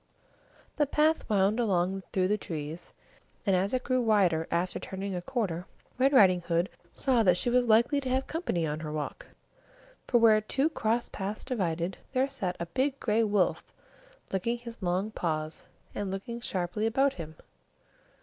The path wound along through the trees, and, as it grew wider after turning a corner, Red Riding saw that she was likely to have company on her walk; for, where two cross paths divided, there sat a big gray wolf licking his long paws, and looking sharply about him.